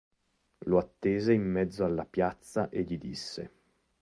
Lo attese in mezzo alla piazza e gli disse.